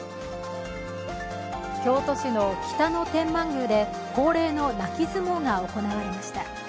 京都市の北野天満宮で恒例の泣き相撲が行われました。